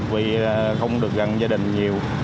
vì không được gần gia đình nhiều